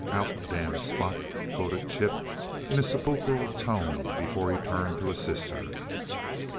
"'Out, damned spot!'" quoted Chip in a sepulchral tone before he turned to assist her.